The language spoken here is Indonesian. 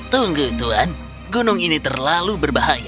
tunggu tuhan gunung ini terlalu berbahaya